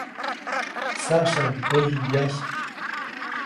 Saʼsyaʼuŋ päyi wyajy.